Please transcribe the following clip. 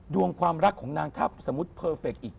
ดวงความรักของนางทัพสมมุติเพอร์เฟกต์อีก